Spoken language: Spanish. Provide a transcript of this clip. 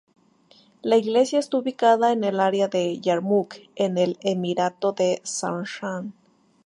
La iglesia está ubicada en el área de Yarmuk en el emirato de Sharjah.